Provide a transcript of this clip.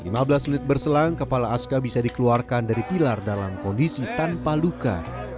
lima belas menit berselang kepala aska bisa dikeluarkan dari pilar dalam kondisi tanpa luka